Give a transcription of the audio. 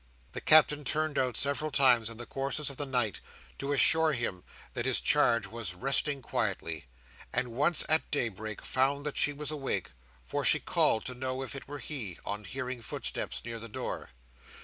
The Captain turned out several times in the course of the night, to assure himself that his charge was resting quietly; and once, at daybreak, found that she was awake: for she called to know if it were he, on hearing footsteps near her door.